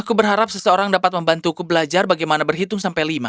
aku berharap seseorang dapat membantuku belajar bagaimana berhitung sampai lima